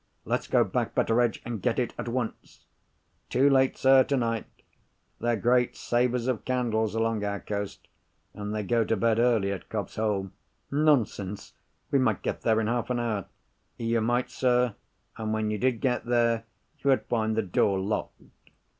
"Let's go back, Betteredge, and get it at once!" "Too late, sir, tonight. They're great savers of candles along our coast; and they go to bed early at Cobb's Hole." "Nonsense! We might get there in half an hour." "You might, sir. And when you did get there, you would find the door locked.